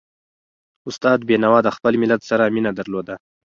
استاد بينوا د خپل ملت سره مینه درلوده.